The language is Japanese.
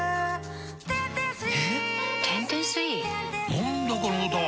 何だこの歌は！